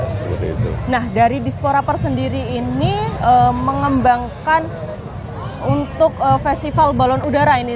nah dari disporaper sendiri ini mengembangkan untuk festival balon udara ini